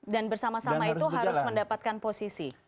dan bersama sama itu harus mendapatkan posisi